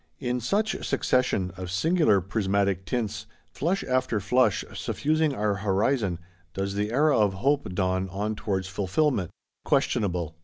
In such succession of singular prismatic tints, flush after flush suffusing our horizon, does the Era of Hope dawn on towards fulfilment. Questionable!